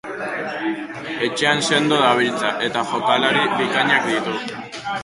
Etxean sendo dabiltza, eta jokalari bikainak ditu.